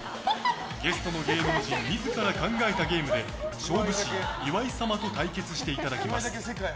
ゲストの芸能人自ら考えたゲームで勝負師・岩井様と対決していただきます。